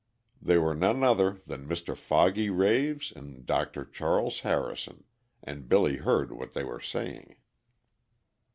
They were none other than Mr. Foggy Raves and Dr. Charles Harrison, and Billy heard what they were saying.